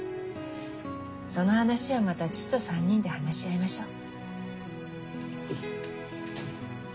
その話はまた義父と３人で話し合いましょう。